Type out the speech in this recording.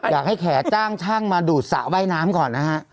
อยากให้แขก้าจ้างช่างมาดูดสระว่ายน้ำก่อนนะฮะ